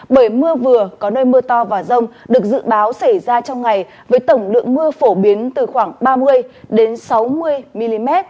bởi mưa vừa có nơi mưa to và rông được dự báo xảy ra trong ngày với tổng lượng mưa phổ biến từ khoảng ba mươi sáu mươi mm